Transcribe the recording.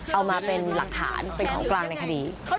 เอามาเป็นหลักฐานเป็นของกลางในคดี